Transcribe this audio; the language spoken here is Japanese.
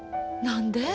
何で？